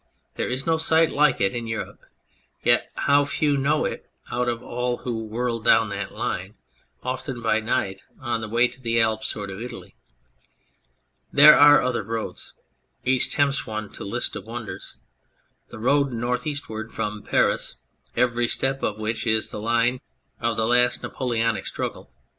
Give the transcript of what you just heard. There is no sight like it in Europe, yet how few know it out of all who whirl down that line often by night on the way to the Alps or to Italy ? There are other roads : each tempts one to a list of wonders. The road northeastward from Paris, every step of which is the line of the last Napole onic struggle.